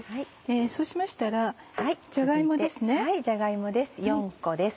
そうしましたらじゃが芋です。